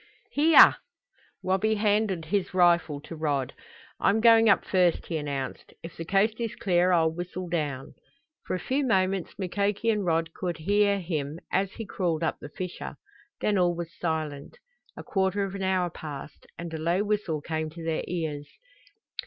"Here!" Wabi handed his rifle to Rod. "I'm going up first," he announced. "If the coast is clear I'll whistle down." For a few moments Mukoki and Rod could hear him as he crawled up the fissure. Then all was silent. A quarter of an hour passed, and a low whistle came to their ears.